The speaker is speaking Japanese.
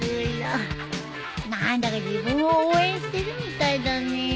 何だか自分を応援してるみたいだね。